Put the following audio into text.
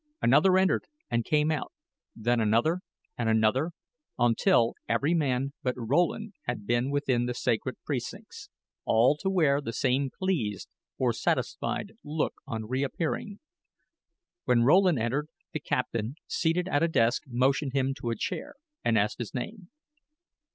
Another entered and came out; then another, and another, until every man but Rowland had been within the sacred precincts, all to wear the same pleased, or satisfied, look on reappearing. When Rowland entered, the captain, seated at a desk, motioned him to a chair, and asked his name.